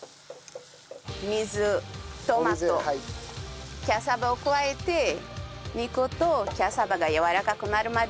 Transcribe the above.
水トマトキャッサバを加えて肉とキャッサバがやわらかくなるまで煮込みます。